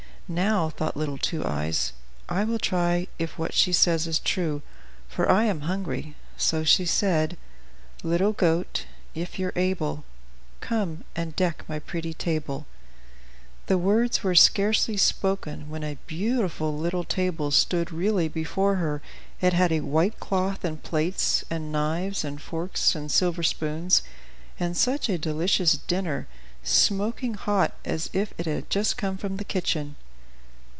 "Now," thought little Two Eyes, "I will try if what she says is true, for I am hungry," so she said: "Little goat, if you're able, Come and deck my pretty table." The words were scarcely spoken, when a beautiful little table stood really before her; it had a white cloth and plates, and knives and forks, and silver spoons, and such a delicious dinner, smoking hot as if it had just come from the kitchen.